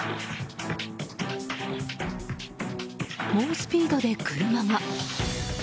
猛スピードで車が。